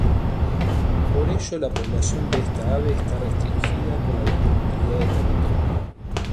Por ello la población de esta ave está restringida por la disponibilidad de territorio.